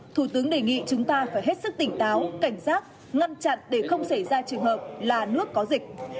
thủ tướng đề nghị chúng ta phải hết sức tỉnh táo cảnh giác ngăn chặn để không xảy ra trường hợp là nước có dịch